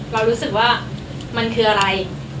เรารู้สึกว่ามันคืออะไร